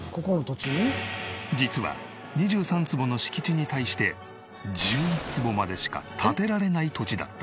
実は２３坪の敷地に対して１１坪までしか建てられない土地だった。